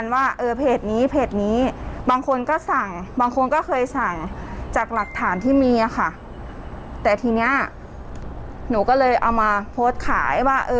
ว่าเออเพจนี้เพจนี้บางคนก็สั่งบางคนก็เคยสั่งจากหลักฐานที่มีค่ะแต่ทีเนี้ยหนูก็เลยเอามาโพสต์ขายว่าเออ